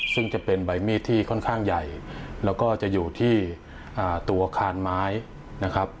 ซึ่งจะเป็นใบมีดที่ค่อนข้างใหญ่แล้วก็จะอยู่ที่ตัวอาคารไม้นะครับ